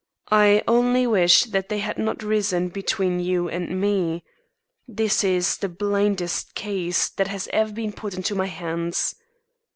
I only wish that they had not risen between you and me. This is the blindest case that has ever been put in my hands.